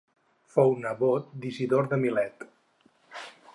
Fou nebot d'Isidor de Milet.